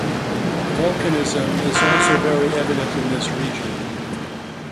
Volcanism is also very evident in this region.